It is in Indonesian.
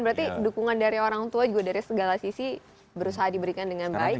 berarti dukungan dari orang tua juga dari segala sisi berusaha diberikan dengan baik gitu ya bu ya